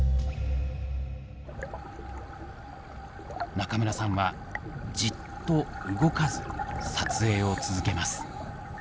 中村さんはじっと動かず撮影を続けます。